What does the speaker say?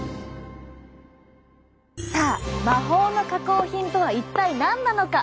さあ魔法の加工品とは一体何なのか？